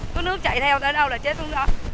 có nước chạy theo tới đâu là chết xuống đó